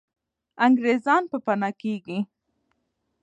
انګریزان به پنا کېږي.